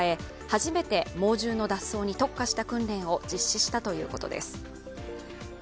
初めて猛獣の脱走に特化した訓練を実施したということです。